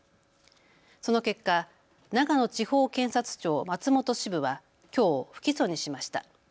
その結果、長野地方検察庁松本支部はきょう不起訴にしました。